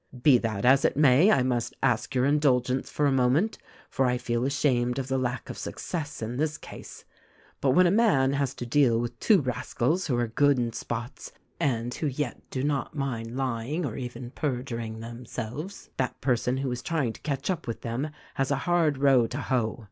"Be that as it may, I must ask your indulgence for a moment; for I feel ashamed of the lack of success in this case ; but when a man has to deal with two rascals who are good in spots and who yet do not mind lying or even per i juring themselves, that person who is trying to catch up with them has a hard row to hoe.